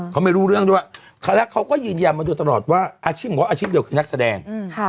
เขาไม่รู้เรื่องด้วยเขารักเขาก็ยืนยันมาโดยตลอดว่าอาชีพบอกว่าอาชีพเดียวคือนักแสดง